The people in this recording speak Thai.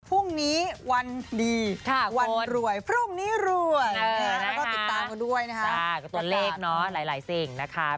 พรุ่งนี้วันดีวันรวยพรุ่งนี้รวยแล้วก็ติดตามกันด้วยนะคะตัวเลขเนาะหลายสิ่งนะคะ